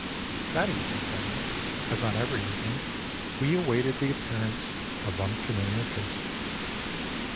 That evening, then, as on every evening, we awaited the appearance of unfamiliar faces.